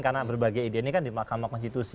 karena berbagai ide ini kan di makamah konstitusi